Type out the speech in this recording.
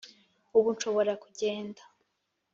ubu nshobora kugenda